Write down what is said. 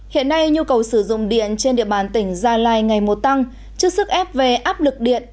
hiện nay nhu cầu sử dụng điện trên địa bàn tỉnh gia lai ngày một tăng trước sức ép về áp lực điện